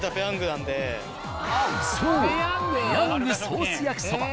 そう！